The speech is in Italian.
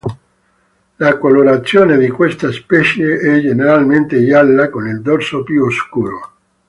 La colorazione di questa specie è generalmente gialla con il dorso più scuro.